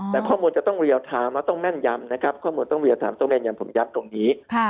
แต่ข้อมูลจะต้องเรียลไทม์แล้วต้องแม่นยำนะครับข้อมูลต้องเรียลไทมต้องแม่นยำผมย้ำตรงนี้